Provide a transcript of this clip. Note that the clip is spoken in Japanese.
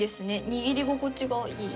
握り心地がいい。